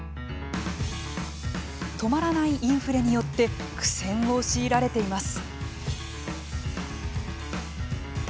止まらないインフレによって苦戦を強いられています。